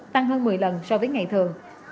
tăng hơn một mươi lần so với ngày thường